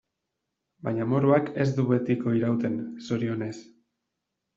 Baina amorruak ez du betiko irauten, zorionez.